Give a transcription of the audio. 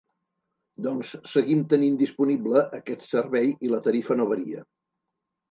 Doncs seguim tenint disponible aquest servei i la tarifa no varia.